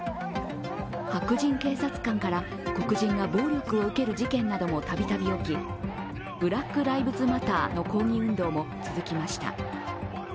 白人警察官から黒人が暴力を受ける事件などもたびたび起きブラック・ライブズ・マターの抗議運動も続きました。